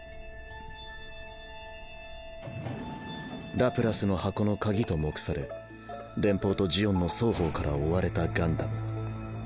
ラプラスの箱の鍵と目され連邦とジオンの双方から追われたガンダム。